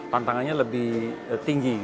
tantangannya lebih tinggi